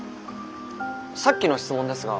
さっきの質問ですが。